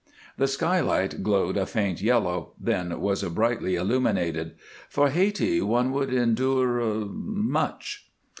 The skylight glowed a faint yellow, then was brightly illuminated. "For Hayti one would endure much."